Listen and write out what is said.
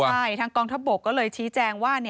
ใช่ทางกองทัพบกก็เลยชี้แจงว่า